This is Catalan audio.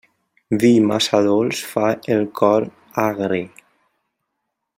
Vi massa dolç fa el cor agre.